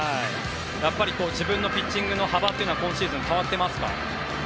やっぱり自分のピッチングの幅は今シーズン、変わっていますか？